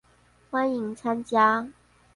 歡迎參加